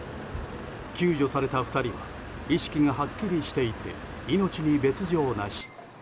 救助された２人は意識がはっきりしていて命に別状なし。